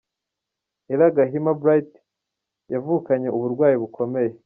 Ella Gahima Bright yavukanye uburwayi bukomeye.